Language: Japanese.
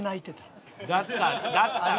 だったら。